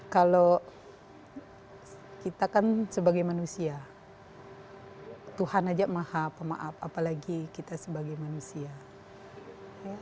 kalau kita kan sebagai manusia tuhan ajak maaf apalagi kita sebagai manusia